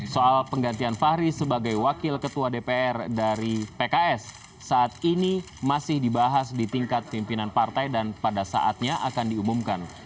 soal penggantian fahri sebagai wakil ketua dpr dari pks saat ini masih dibahas di tingkat pimpinan partai dan pada saatnya akan diumumkan